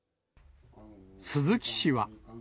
鈴木氏は。